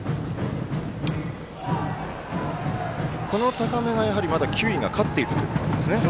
高めがまだ球威が勝っているということなんですね。